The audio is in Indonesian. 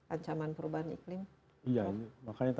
ancaman perubahan iklim